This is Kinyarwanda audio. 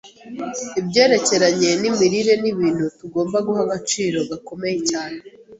Ibyerekeranye n’imirire ni ibintu tugomba guha agaciro gakomeye cyane.